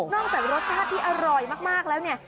จากรสชาติที่อร่อยมากแล้วเนี่ย